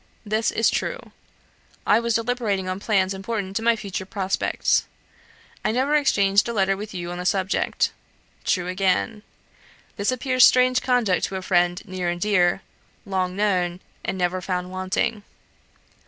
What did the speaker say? This is true. I was deliberating on plans important to my future prospects. I never exchanged a letter with you on the subject. True again. This appears strange conduct to a friend, near and dear, long known, and never found wanting.